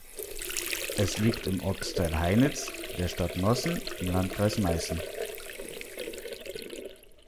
Es liegt im Ortsteil Heynitz der Stadt Nossen im Landkreis Meißen.